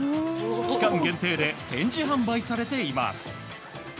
期間限定で展示販売されています。